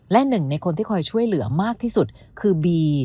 และหนึ่งในคนที่คอยช่วยเหลือมากที่สุดคือบี